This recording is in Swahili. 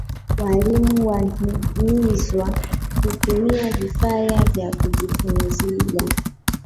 Walimu wanhimizwa kutumia vifaya vya kujifunziya